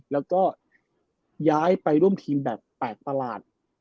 แล้วก็ย้ายไปร่วมทีมแบต๘ตลาด